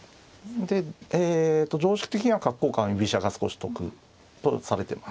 でえと常識的には角交換居飛車が少し得とされてます。